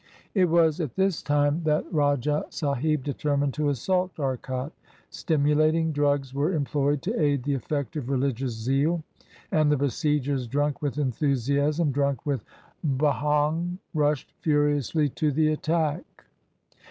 It was at this time that Rajah Sahib determined to assault Arcot. Stimulating drugs were employed to aid the effect of rehgious zeal, and the besiegers, drunk with enthusiasm, drunk with bhang, rushed furiously to the attack.